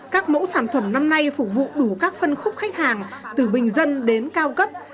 các mẫu sản phẩm năm nay phục vụ đủ các phân khúc khách hàng từ bình dân đến cao cấp